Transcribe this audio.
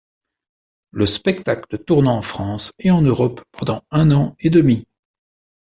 Le spectacle tourne en France et en Europe pendant un an et demi.